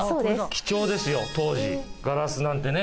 貴重ですよ当時ガラスなんてね。